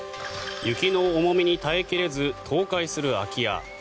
雪の重みに耐え切れず倒壊する空き家。